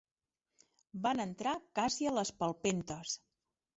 Van entrar casi a les palpentes